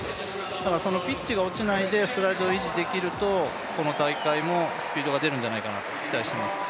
だからそのピッチが起きないでストライドを維持できると、この大会もスピードが出るんじゃないかなと期待しています。